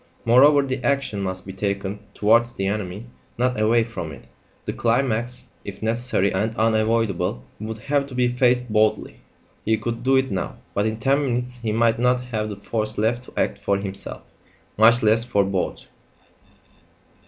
Moreover, the action must be taken towards the enemy, not away from it; the climax, if necessary and unavoidable, would have to be faced boldly. He could do it now; but in ten minutes he might not have the force left to act for himself, much less for both!